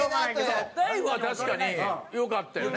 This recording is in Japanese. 大悟は確かに良かったよね。